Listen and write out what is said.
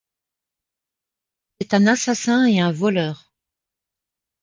C’est un assassin et un voleur.